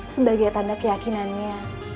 sebagai tanda keyakinannya